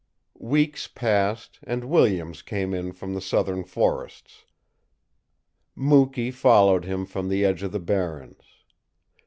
Weeks passed, and Williams came in from the southern forests. Mukee followed him from the edge of the barrens.